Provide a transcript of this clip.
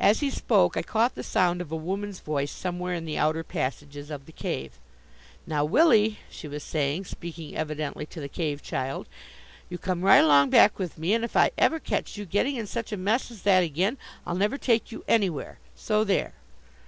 As he spoke I caught the sound of a woman's voice somewhere in the outer passages of the cave. "Now, Willie," she was saying, speaking evidently to the Cave child, "you come right along back with me, and if I ever catch you getting in such a mess as that again I'll never take you anywhere, so there!"